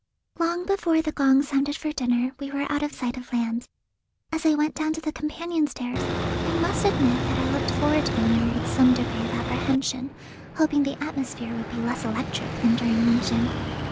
Long before the gong sounded for dinner we were out of sight of land. As I went down the companion stairs I must admit that I looked forward to the meal with some degree of apprehension, hoping the atmosphere would be less electric than during luncheon.